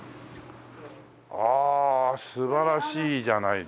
ああ素晴らしいじゃないですか。